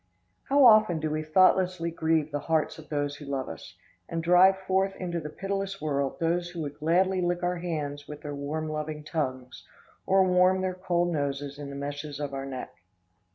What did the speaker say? How often do we thoughtlessly grieve the hearts of those who love us, and drive forth into the pitiless world those who would gladly lick our hands with their warm loving tongues, or warm their cold noses in the meshes of our necks.